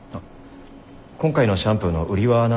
今回のシャンプーの売りは何ですか？